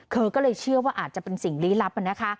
เธอก็เลยเชื่อว่าอาจจะเป็นสิ่งลี้ลับนะคะ